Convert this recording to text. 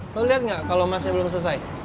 lo liat gak kalo masnya belum selesai